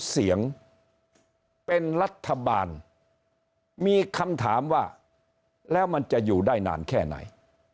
เสียงเป็นรัฐบาลมีคำถามว่าแล้วมันจะอยู่ได้นานแค่ไหน